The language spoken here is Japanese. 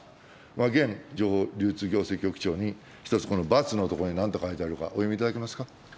現情報流通行政局長に一つ、このばつの所になんと書いてあるかお読みいただけますか。